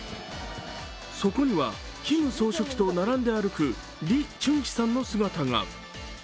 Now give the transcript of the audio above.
そこには、キム総書記と並んで歩くリ・チュンヒさんの姿が。